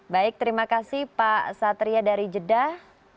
baik terima kasih pak satria dari jeddah